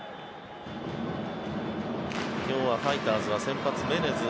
今日はファイターズは先発メネズ。